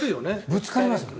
ぶつかりますよね